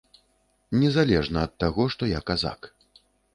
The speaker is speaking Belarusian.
Незалежна ад таго, што я казак.